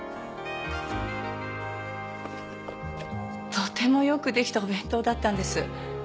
とてもよくできたお弁当だったんです。